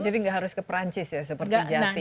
jadi gak harus ke prancis ya seperti jati